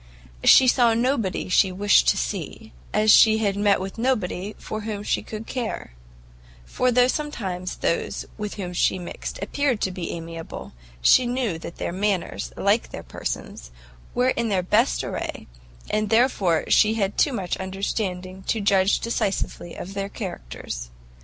She saw nobody she wished to see, as she had met with nobody for whom she could care; for though sometimes those with whom she mixed appeared to be amiable, she knew that their manners, like their persons, were in their best array, and therefore she had too much understanding to judge decisively of their characters.